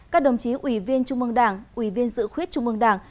các đồng chí ủy viên trung mương đảng ủy viên dự khuyết trung ương đảng